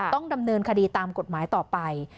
ต้องดำเนินคดีตามกฎหมายต่อไป